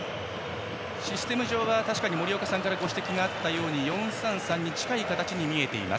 システム上は森岡さんからご指摘があったように４−３−３に近い形に見えています。